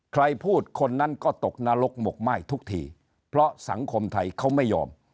ใครพูดคนนั้นก็ตกนรกหมกไหม้ทุกทีเพราะสังคมไทยเขาไม่ยอม